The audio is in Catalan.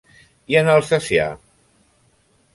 I en alsacià?